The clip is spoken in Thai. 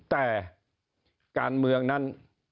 แต่การเมืองนั้น